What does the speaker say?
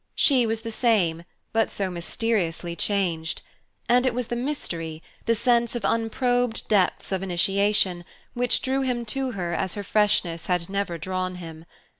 She was the same, but so mysteriously changed! And it was the mystery, the sense of unprobed depths of initiation, which drew him to her as her freshness had never drawn him.